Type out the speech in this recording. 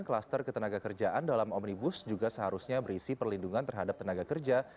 kluster ketenaga kerjaan dalam omnibus juga seharusnya berisi perlindungan terhadap tenaga kerja